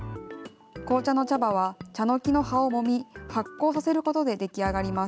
紅茶の茶葉はチャノキの葉をもみ、発酵させることで出来上がります。